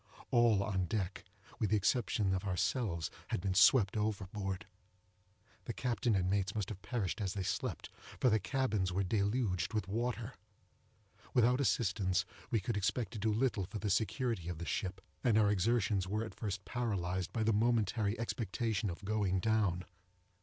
All on deck, with the exception of ourselves, had been swept overboard;—the captain and mates must have perished as they slept, for the cabins were deluged with water. Without assistance, we could expect to do little for the security of the ship, and our exertions were at first paralyzed by the momentary expectation of going down.